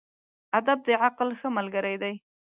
ادب د عقل ښه ملګری دی.